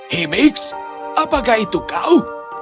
hibis apakah itu kau